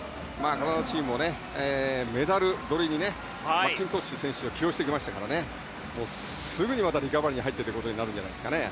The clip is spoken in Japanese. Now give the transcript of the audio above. カナダチームもメダル取りにマッキントッシュ選手を起用してきましたからすぐにまたリカバリーに入っていくことになるんじゃないですかね。